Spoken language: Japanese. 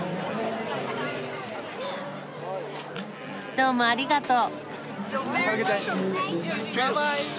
どうもありがとう。